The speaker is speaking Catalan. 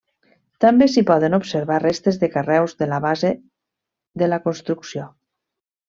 També s'hi poden observar restes de carreus de la base de la construcció.